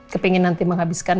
kepingin nanti menghabiskan